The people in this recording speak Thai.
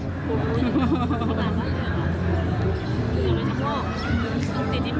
แล้วก็จากนั้นก็ให้คนอื่นสอน